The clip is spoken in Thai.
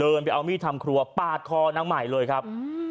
ขึ้นมาครับเดินไปเอาทำครัวปากคอนักใหม่เลยครับอืม